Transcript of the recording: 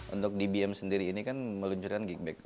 untuk dbm sendiri ini kan meluncurkan gig bag